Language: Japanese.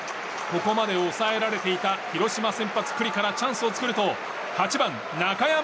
ここまで抑えられていた広島先発、九里からチャンスを作ると８番、中山